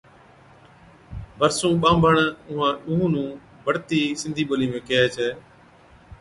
ڀرسُون ٻانڀڻ اُونھان ڏُونھُون نُون بَڙتِي سِنڌِي ٻولِي ۾ ڪيھي ڇَي